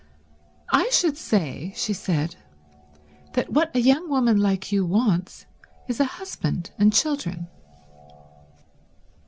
"I should say," she said, "that what a young woman like you wants is a husband and children."